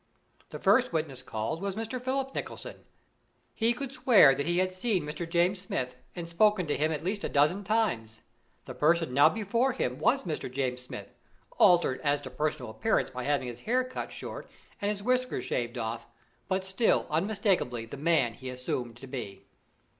The first witness called was Mr. Philip Nicholson. He could swear that he had seen Mr. James Smith, and spoken to him at least a dozen times. The person now before him was Mr. James Smith, altered as to personal appearance by having his hair cut short and his whiskers shaved off, but still unmistakably the man he assumed to be.